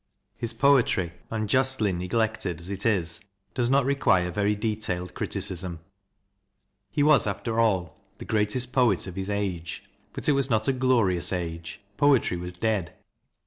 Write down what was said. His poetry, unjustly neglected as it is, does not require very detailed criticism. He was, after all, the greatest poet of his age; but it was not a glorious age. Poetry was dead.